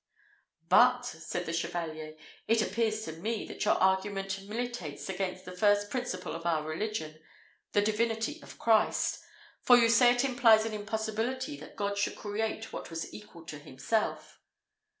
"But," said the Chevalier, "it appears to me that your argument militates against the first principle of our religion the divinity of Christ: for you say it implies an impossibility that God should create what was equal to himself."